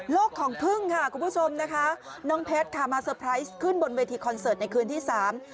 ของพึ่งค่ะคุณผู้ชมนะคะน้องเพชรค่ะมาเตอร์ไพรส์ขึ้นบนเวทีคอนเสิร์ตในคืนที่สาม